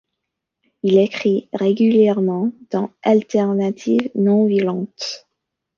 Il écrit régulièrement dans Alternatives non-violentes.